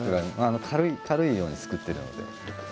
軽いように作ってるので。